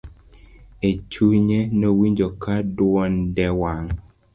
e chunye nowinjo ka duonde wang